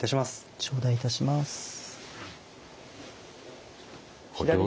頂戴いたします。